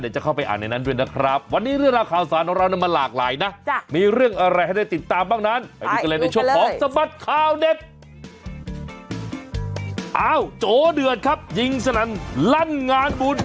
โจเดือดครับยิงสนั่นลั่นงานบุญ